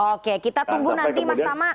oke kita tunggu nanti mas tama